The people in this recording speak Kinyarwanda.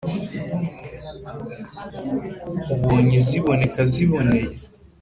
Ubonye ziboneka ziboneye